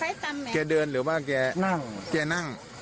ไม่เห็นหรอแกเดินหรือเปล่าแกแกนั่ง